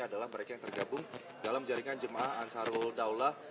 adalah mereka yang tergabung dalam jaringan jemaah ansarul daulah